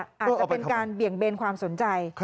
อาจจะเป็นการเบี่ยงเบนความสนใจ